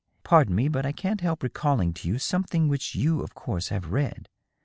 Pardon me, but I can't help recalling to you something which you of course have read.